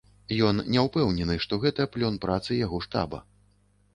Ён не ўпэўнены, што гэта плён працы яго штаба.